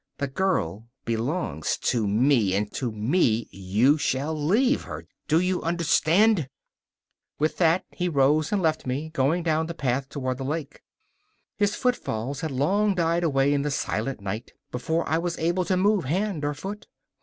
The girl belongs to me, and to me you shall leave her; do you understand?' With that he rose and left me, going down the path toward the lake. His footfalls had long died away in the silent night before I was able to move hand or foot.